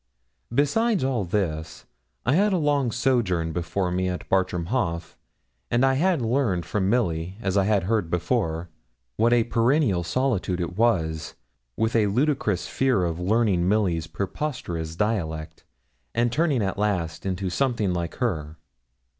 Besides all this, I had a long sojourn before me at Bartram Haugh, and I had learned from Milly, as I had heard before, what a perennial solitude it was, with a ludicrous fear of learning Milly's preposterous dialect, and turning at last into something like her.